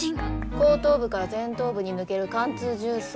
後頭部から前頭部に抜ける貫通銃創。